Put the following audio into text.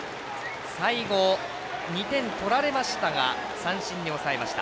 最後、２点取られましたが三振に抑えました。